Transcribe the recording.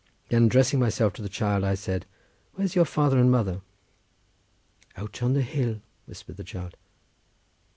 Then addressing myself to the child, I said, "Where's your father and mother?" "Out on the hill," whispered the child.